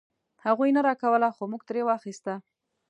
هغوی نه راکوله خو مونږ ترې واخيسته.